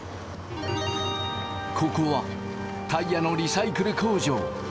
ここはタイヤのリサイクル工場。